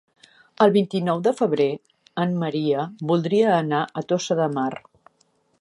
El vint-i-nou de febrer en Maria voldria anar a Tossa de Mar.